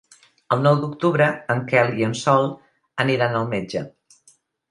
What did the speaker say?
El nou d'octubre en Quel i en Sol aniran al metge.